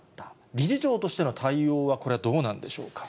理事長としての対応はこれはどうなんでしょうか。